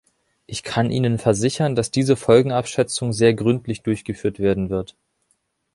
Ich kann Ihnen versichern, dass diese Folgenabschätzung sehr gründlich durchgeführt werden wird.